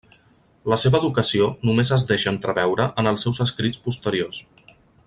La seva educació només es deixa entreveure en els seus escrits posteriors.